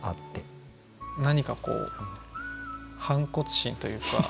何か反骨心というか。